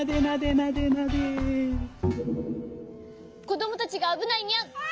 こどもたちがあぶないにゃん。